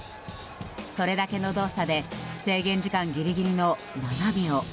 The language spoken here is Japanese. それだけの動作で制限時間ギリギリの７秒。